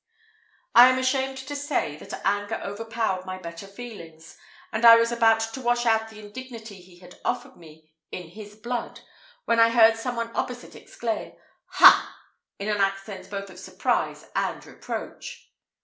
I am ashamed to say, that anger overpowered my better feelings, and I was about to wash out the indignity he had offered me in his blood, when I heard some one opposite exclaim, "Ha!" in an accent both of surprise and reproach.